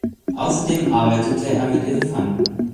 Außerdem arbeitete er mit Elefanten.